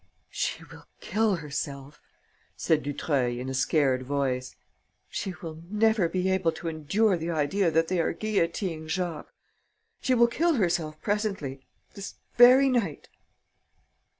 "She will kill herself," said Dutreuil, in a scared voice. "She will never be able to endure the idea that they are guillotining Jacques. She will kill herself presently ... this very night...."